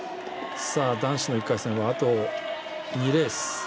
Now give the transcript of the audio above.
男子の１回戦はあと２レース。